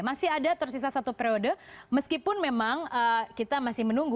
masih ada tersisa satu periode meskipun memang kita masih menunggu